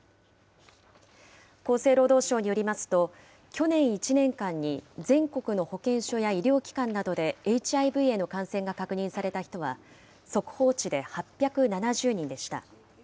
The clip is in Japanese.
厚生労働省によりますと、去年１年間に全国の保健所や医療機関などでＨＩＶへの感染が確認された人は速報値で８７０人でした。